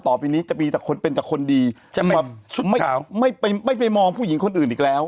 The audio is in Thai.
ต่อไปนี้จะมีแต่คนเป็นแต่คนดีจะไปไม่ไปมองผู้หญิงคนอื่นอีกแล้ว